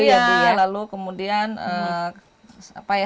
iya lalu kemudian santan ya